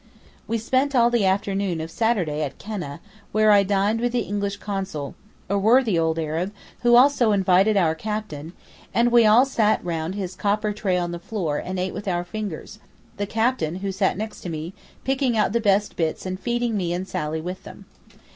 We spent all the afternoon of Saturday at Keneh, where I dined with the English Consul, a worthy old Arab, who also invited our captain, and we all sat round his copper tray on the floor and ate with our fingers, the captain, who sat next me, picking out the best bits and feeding me and Sally with them.